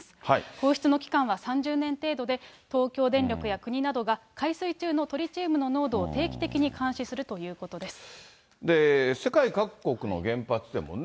放出の期間は３０年程度で、東京電力や国などが海水中のトリチウムの濃度を定期的に監視する世界各国の原発でもね。